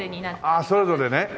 ああそれぞれね。